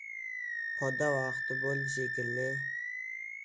— Poda vaqti bo‘ldi shekilli...